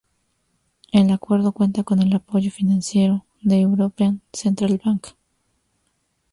El acuerdo cuenta con el apoyo financiero de European Central Bank.